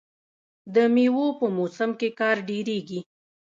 د میوو په موسم کې کار ډیریږي.